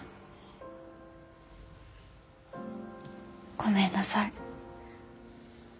ごめんなさい。